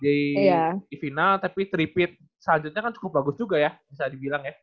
jadi di final tapi teripit selanjutnya kan cukup bagus juga ya bisa dibilang ya